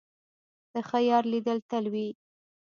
د ښه یار لیدل تل وي.